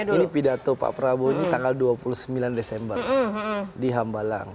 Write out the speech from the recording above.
ini pidato pak prabowo ini tanggal dua puluh sembilan desember di hambalang